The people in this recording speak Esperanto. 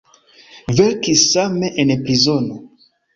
Verkis same en prizono.